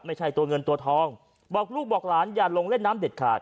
ไม่ใช่ตัวเงินตัวทองบอกลูกบอกหลานอย่าลงเล่นน้ำเด็ดขาด